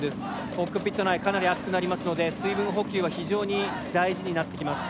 コックピット内かなり暑くなりますので水分補給は非常に大事になってきます。